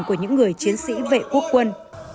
của những người chiến sĩ vệ quốc quân